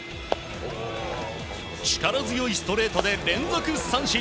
力強いストレートで連続三振。